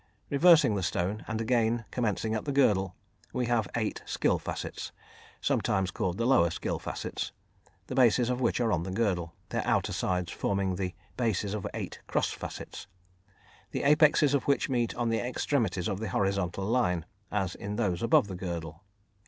Reversing the stone and again commencing at the girdle, we have eight "skill facets," sometimes called the lower skill facets, the bases of which are on the girdle, their outer sides forming the bases of eight cross facets, the apexes of which meet on the extremities of the horizontal line, as in those above the girdle.